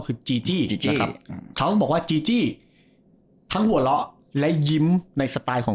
คือจีจี้เขาบอกว่าจีจี้ทั้งหัวรอและยิ้มในสไตล์ของ